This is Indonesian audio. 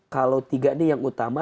kalau tiga ini yang utama